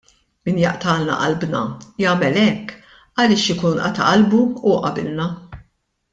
Min jaqtgħalna qalbna jagħmel hekk għaliex ikun qata' qalbu hu qabilna.